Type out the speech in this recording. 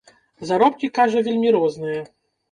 Заробкі, кажа, вельмі розныя.